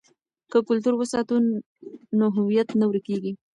که کلتور وساتو نو هویت نه ورکيږي.